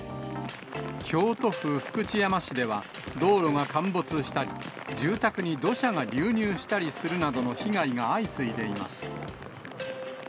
京都府福知山市では、道路が陥没したり、住宅に土砂が流入したりするなどの被害が相次いでいます。